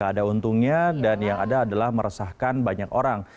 ada untungnya dan yang ada adalah meresahkan banyak orang